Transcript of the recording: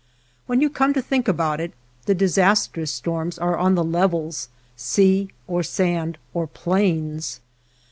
When you come to think about it, the disastrous storms are on the levels, sea or sand or plains.